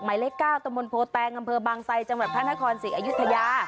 ไม้เลขเก้าตะวนโพแตงอำเภอบางไซยจังหวัดพระนครศิกย์อายุทยา